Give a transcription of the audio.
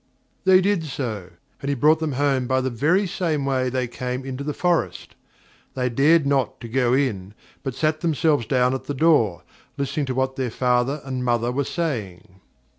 They did so, and he brought them home by the very same way they came into the forest. They dared not to go in, but sat themselves down at the door, listening to what their father and mother were saying.